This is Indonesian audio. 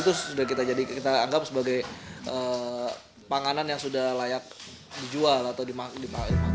terus sudah kita anggap sebagai panganan yang sudah layak dijual atau dimakai